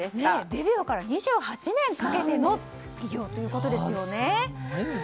デビューから２８年かけての偉業ということですね。